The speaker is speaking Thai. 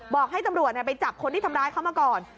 บอกให้ตำรวจไปจับคนที่ทำร้ายเขามาก่อน